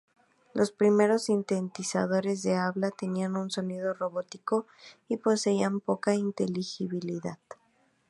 Los primeros sintetizadores de habla tenían un sonido robótico y poseían poca inteligibilidad.